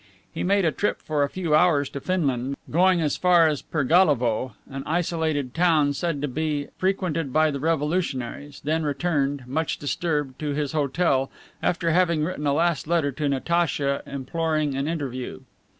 He made a trip for a few hours to Finland, going as far as Pergalovo, an isolated town said to be frequented by the revolutionaries, then returned, much disturbed, to his hotel, after having written a last letter to Natacha imploring an interview.